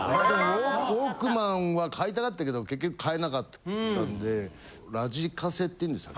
ウォークマンは買いたかったけど結局買えなかったんでラジカセって言うんですか。